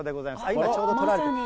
今ちょうど撮られてて。